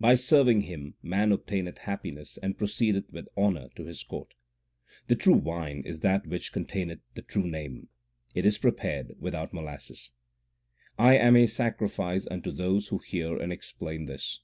By serving Him man obtaineth happiness and proceedeth with honour to His court. The true wine is that which containeth the true Name ; it is prepared without molasses. I am a sacrifice unto those who hear and explain this.